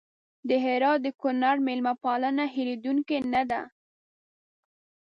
د هرات د ګورنر مېلمه پالنه هېرېدونکې نه ده.